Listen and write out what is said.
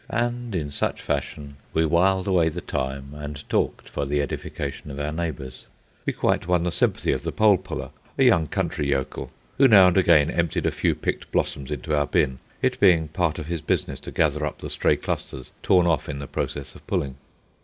And in such fashion we whiled away the time and talked for the edification of our neighbours. We quite won the sympathy of the pole puller, a young country yokel, who now and again emptied a few picked blossoms into our bin, it being part of his business to gather up the stray clusters torn off in the process of pulling.